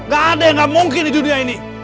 gak ada yang nggak mungkin di dunia ini